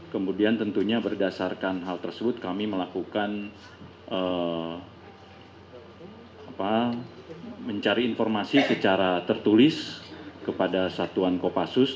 kemudian tentunya berdasarkan hal tersebut kami melakukan mencari informasi secara tertulis kepada satuan kopassus